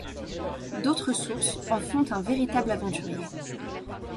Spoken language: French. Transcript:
D'autres sources en font un véritable aventurier.